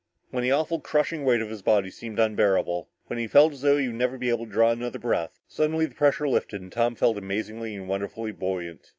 When the awful crushing weight on his body seemed unbearable, when he felt as though he would never be able to draw another breath, suddenly the pressure lifted and Tom felt amazingly and wonderfully buoyant.